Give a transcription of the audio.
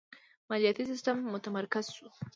مالیاتی سیستم متمرکز شو.